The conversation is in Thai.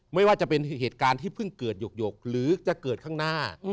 ไม่ว่าจะเป็นเหตุการณ์ที่เพิ่งเกิดหยกหรือจะเกิดข้างหน้า